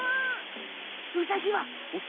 ウサギは？おっ。